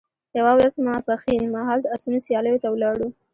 یوه ورځ ماپښین مهال د اسونو سیالیو ته ولاړو.